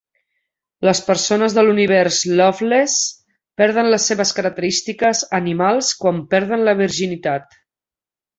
Les persones de l'univers "Loveless" perden les seves característiques animals quan perden la virginitat.